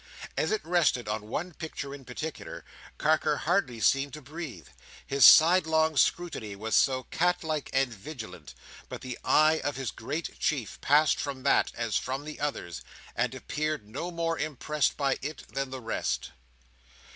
As it rested on one picture in particular, Carker hardly seemed to breathe, his sidelong scrutiny was so cat like and vigilant, but the eye of his great chief passed from that, as from the others, and appeared no more impressed by it than by the rest.